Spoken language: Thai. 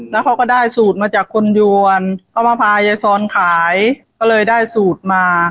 แล้วเขาก็ได้สูตรมาจากคนยวนเขามาพายายซอนขายก็เลยได้สูตรมา